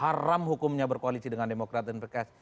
haram hukumnya berkoalisi dengan demokrat dan pks